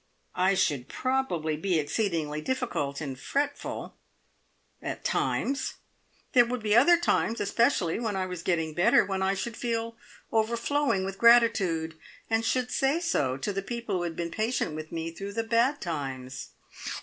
"I should probably be exceedingly difficult and fretful. At times! There would be other times especially when I was getting better when I should feel overflowing with gratitude, and should say so, to the people who had been patient with me through the bad times!"